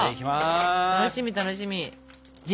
楽しみ楽しみ！